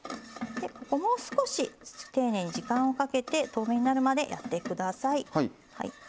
もう少し、丁寧に時間をかけて透明になるまでやってください。